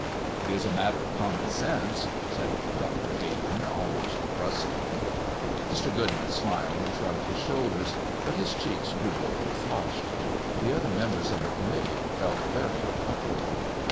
"It is a matter of common sense," said Dr. Dayton, almost brusquely. Mr. Goodman smiled and shrugged his shoulders, but his cheeks grew a little flushed. The other members of the committee felt very uncomfortable.